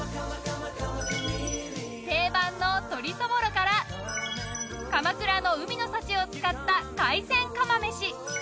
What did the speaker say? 定番の鶏そぼろから鎌倉の海の幸を使った海鮮釜飯。